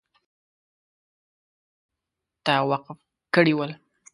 خدمت ته وقف کړي ول.